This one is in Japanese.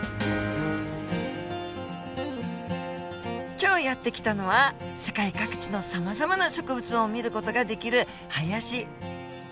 今日やって来たのは世界各地のさまざまな植物を見る事ができる林。